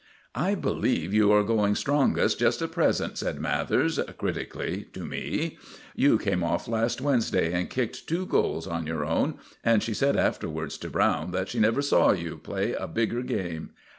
"I believe you are going strongest just at present," said Mathers, critically, to me. "You came off last Wednesday and kicked two goals on your own, and she said afterwards to Browne that she never saw you play a bigger game.